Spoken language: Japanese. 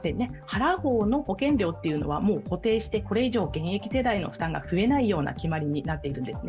払う方の保険料っていうのはもう固定してこれ以上、現役世代の負担が増えないようになっているんです。